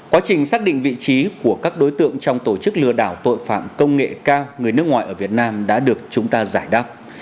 quá trình xác định vị trí của các đối tượng trong tổ chức lừa đảo tội phạm công nghệ cao người nước ngoài ở việt nam đã được chúng ta giải đáp